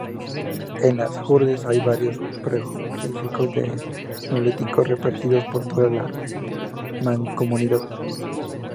En Las Hurdes hay varios petroglifos del Neolítico repartidos por toda la mancomunidad.